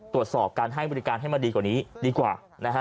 ตรวจสอบการให้บริการให้มาดีกว่านี้ดีกว่านะฮะ